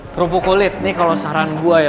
kerupuk kulit nih kalau saran gue ya